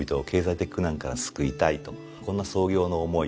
とこんな創業の思い